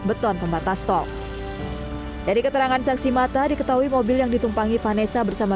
beton pembatas tol dari keterangan saksi mata diketahui mobil yang ditumpangi vanessa bersama